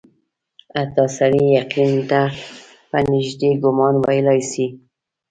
حتی سړی یقین ته په نیژدې ګومان ویلای سي.